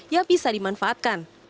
yang bisa dimanfaatkan